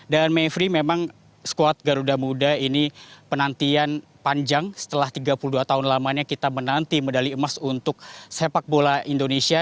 dan mevry memang skuad garuda muda ini penantian panjang setelah tiga puluh dua tahun lamanya kita menanti medali emas untuk sepak bola indonesia